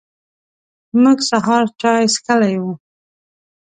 موږ سهار چای څښلی و.